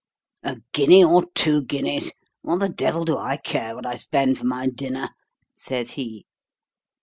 'A guinea or two guineas. What the devil do I care what I spend for my dinner?' says he.